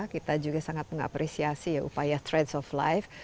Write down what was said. kita juga sangat mengapresiasi ya upaya trade of life